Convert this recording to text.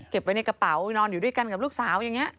ไว้ในกระเป๋านอนอยู่ด้วยกันกับลูกสาวอย่างนี้